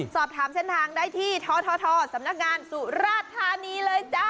สอบถามเส้นทางได้ที่ททสำนักงานสุราธานีเลยจ้า